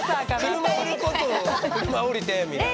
車売ることを車降りてみたいな。